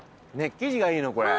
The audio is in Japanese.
生地がいいのこれ。